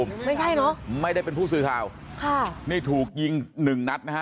ไม่ใช่เนอะไม่ได้เป็นผู้สื่อข่าวค่ะนี่ถูกยิงหนึ่งนัดนะฮะ